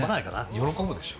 喜ぶでしょ。